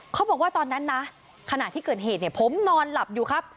เขาบอกว่าตอนนั้นนะขณะที่เกิดเหตุเนี่ยผมนอนหลับอยู่ครับ